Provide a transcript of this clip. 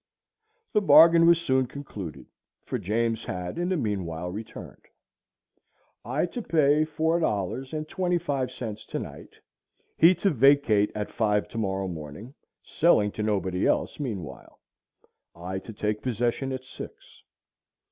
The bargain was soon concluded, for James had in the meanwhile returned. I to pay four dollars and twenty five cents to night, he to vacate at five to morrow morning, selling to nobody else meanwhile: I to take possession at six.